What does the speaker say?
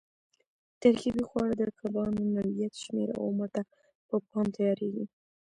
ترکیبي خواړه د کبانو نوعیت، شمېر او عمر ته په پام تیارېږي.